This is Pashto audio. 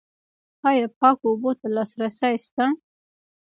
آیا پاکو اوبو ته لاسرسی شته؟